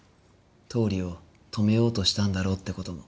倒理を止めようとしたんだろうって事も。